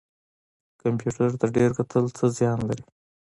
کمپیوټر ته ډیر کتل څه زیان لري؟